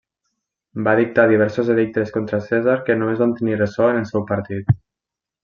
Va dictar diversos edictes contra Cèsar que només van tenir ressò en el seu partit.